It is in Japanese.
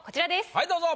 はいどうぞ。